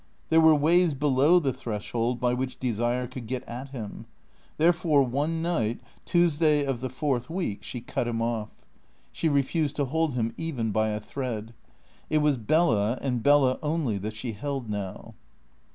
There were ways below the threshold by which desire could get at him. Therefore, one night Tuesday of the fourth week she cut him off. She refused to hold him even by a thread. It was Bella and Bella only that she held now.